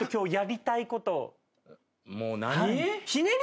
もう何？